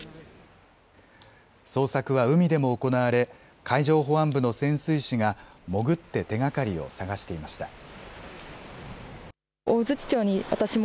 捜索は海でも行われ海上保安部の潜水士が潜って手がかりを捜していました。